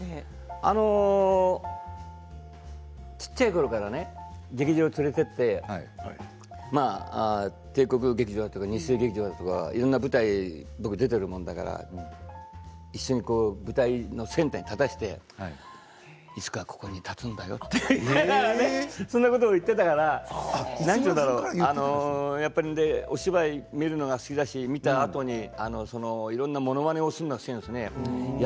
あの小さいころから劇場に連れていって帝国劇場とか、日生劇場とかいろんな舞台に僕は出ているものだから一緒に舞台のセンターに立たせていつかここに立つんだよって言いながらねそんなこと言っていたからなんていうんだろお芝居見るのが好きだし見たあとにいろんなものまねをするんですよね。